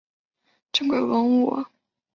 其中有不少是列为重要文化财产的珍贵文物。